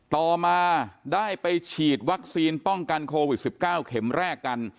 ต่อมาได้ไปฉีดวัคซีนป้องกันโควิด๑๙เข็มแรกกัน